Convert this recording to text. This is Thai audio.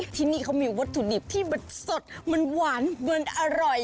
ที่นี่เขามีวัตถุดิบที่แบบสดมันหวานมันอร่อย